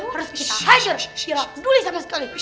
harus kita hajar dirawat dulu sama sekali